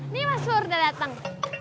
nih mas pur udah dateng